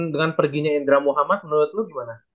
dengan perginya indra muhammad menurut lu gimana